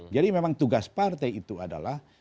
jadi memang tugas partai itu adalah